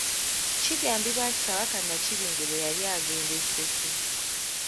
Kigambibwa nti Kabaka Nnakibinge bwe yali agenda e Ssese .